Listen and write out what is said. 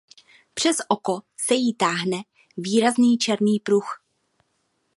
Přes oko se jí táhne výrazný černý pruh.